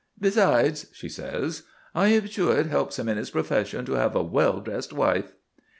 Besides," she says, "I am sure it helps him in his profession to have a well dressed wife."